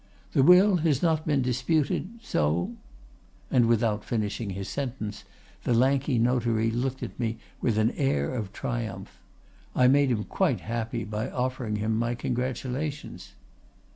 The will has not been disputed, so——' And without finishing his sentence, the lanky notary looked at me with an air of triumph; I made him quite happy by offering him my congratulations.